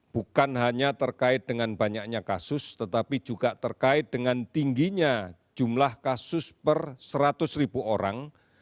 bukan hanya terkait dengan banyaknya kasus tetapi juga terkait dengan tingginya jumlah kasus per seratus ribu orang